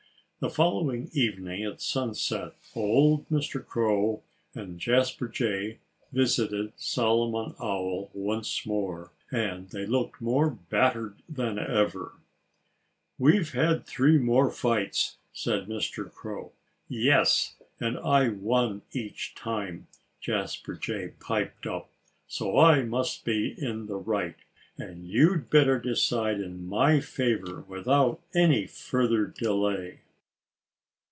The following evening, at sunset, old Mr. Crow and Jasper Jay visited Solomon Owl once more. And they looked more battered than ever. "We've had three more fights," said Mr. Crow. "Yes! And I won each time!" Jasper Jay piped up. "So I must be in the right. And you'd better decide in my favor without any further delay."